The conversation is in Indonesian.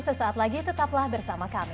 sesaat lagi tetaplah bersama kami